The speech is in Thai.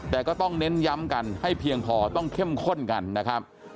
แต่ก็ต้องเน้นย้ำกันให้เพียงพอต้องเข้มข้นกันนะครับ